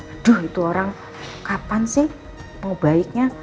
aduh itu orang kapan sih mau baiknya